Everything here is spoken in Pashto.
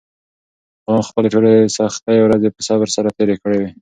غلام خپلې ټولې سختې ورځې په صبر سره تېرې کړې وې.